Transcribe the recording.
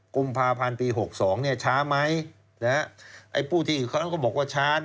กุมภาพันธ์ปี๖๒ช้าไหมพูดที่อื่นเขาก็บอกว่าช้า